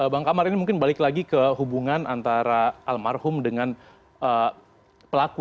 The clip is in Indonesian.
bang kamar ini mungkin balik lagi ke hubungan antara almarhum dengan pelaku